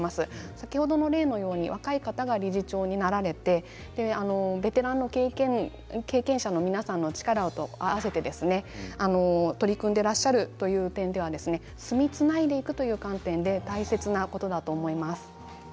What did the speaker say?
先ほどの例のように若い方が理事長になられてベテランの経験のある方々の力を合わせて取り組んでいらっしゃるという点では住みつないでいくという観点で大切なことだと思います。